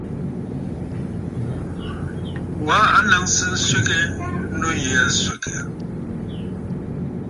Wa a naŋsə nswegə nû yì aa swègə̀.